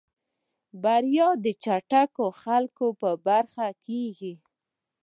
بريا د چټکو خلکو په برخه کېږي.